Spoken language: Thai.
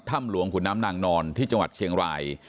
ถ้ำหลวงขุนน้ำนางนอนที่จังหวัดเชียงราย